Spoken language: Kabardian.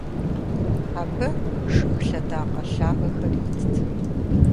Абы жыг лъэдакъэ лъагэхэр итт.